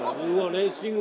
レーシング